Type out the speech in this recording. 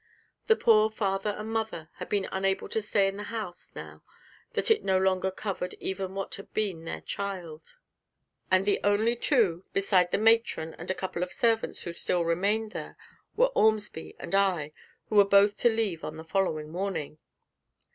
The poor father and mother had been unable to stay in the house now that it no longer covered even what had been their child; and the only two, besides the matron and a couple of servants who still remained there, were Ormsby and I, who were both to leave on the following morning.